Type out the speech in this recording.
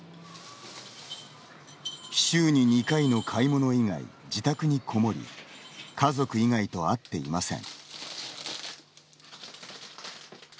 週に２回の買い物以外自宅にこもり家族以外と会っていません。